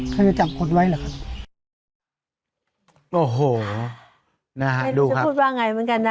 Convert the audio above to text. เขาจะจับคนไว้เหรอครับโอ้โหนะฮะไม่รู้จะพูดว่าไงเหมือนกันนะ